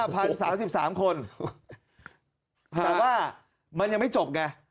แต่ว่ามันยังไม่จบไง